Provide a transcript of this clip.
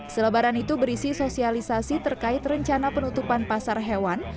selebaran itu berisi sosialisasi terkait rencana penutupan pasar hewan